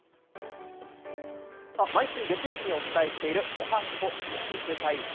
毎週月曜日にお伝えしているおはＳＰＯ筋肉体操。